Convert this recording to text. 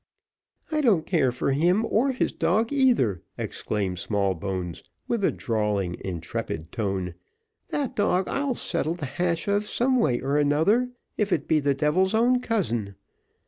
"I don't care for him or for his dog either," exclaimed Smallbones, with a drawling intrepid tone; "that dog I'll settle the hash of some way or the other, if it be the devil's own cousin.